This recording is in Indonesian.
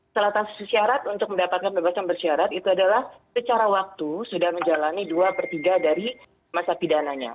selatan sesyarat untuk mendapatkan pembebasan bersyarat itu adalah secara waktu sudah menjalani dua pertiga dari masa pidananya